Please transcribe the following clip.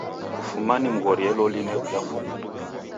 Kufuma nimghorie loli new'uya fungo.